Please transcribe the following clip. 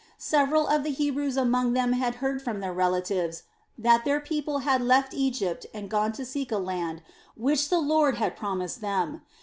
Several of the Hebrews among them had heard from their relatives that their people had left Egypt and gone to seek a land which the Lord had promised them.